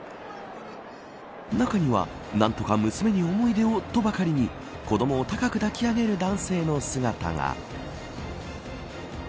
中には何とか娘に思い出をとばかりに子どもを高く抱き上げる男性の姿が。